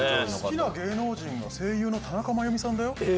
好きな芸能人が声優の田中真弓さんだよ。